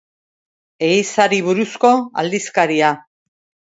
Ehizari buruzko aldizkaria.